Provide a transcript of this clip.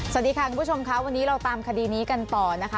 สวัสดีค่ะคุณผู้ชมค่ะวันนี้เราตามคดีนี้กันต่อนะคะ